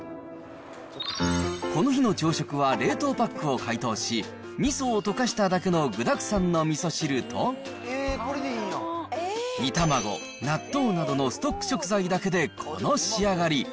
この日の朝食は冷凍パックを解凍し、みそを溶かしただけの具だくさんのみそ汁と、煮卵、納豆などのストック食材だけでこの仕上がり。